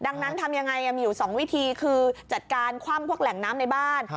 ดังนั้นทำยังไงมีอยู่๒วิธีคือจัดการคว่ำพวกแหล่งน้ำในบ้าน